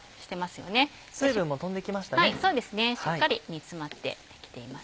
しっかり煮詰まってできていますね。